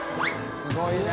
すごいね。